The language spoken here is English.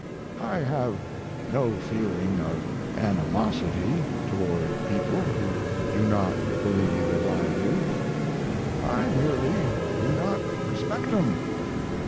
I have no feeling of animosity toward people who do not believe as I do; I merely do not respect 'em.